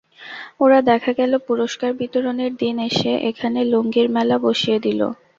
ওরা দেখা গেল পুরস্কার বিতরণীর দিন এসে এখানে লুঙ্গির মেলা বসিয়ে দিল।